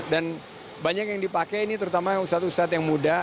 dan banyak yang dipakai ini terutama ustaz ustaz yang muda